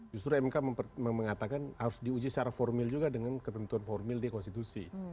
justru mk mengatakan harus diuji secara formil juga dengan ketentuan formil di konstitusi